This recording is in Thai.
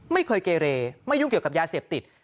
ไม่เคยเกเรไม่ยุ่งเกี่ยวกับยาเสพติด